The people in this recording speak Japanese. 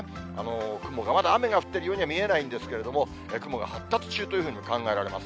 雲が、まだ雨が降ってるようには見えないんですけれども、雲が発達中というふうに考えられます。